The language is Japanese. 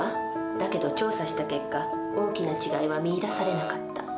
だけど調査した結果大きな違いは見いだされなかった。